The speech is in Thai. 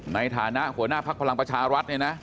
ในฐานะหัวหน้าภักดิ์พลังประชารัฐเนี่ยนะ